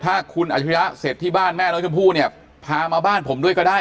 ถ้าคุณอาชิริยะเสร็จที่บ้านแม่น้องชมพู่เนี่ยพามาบ้านผมด้วยก็ได้